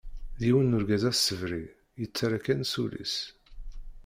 D yiwen n urgaz asebri, yettarra kan s ul-is.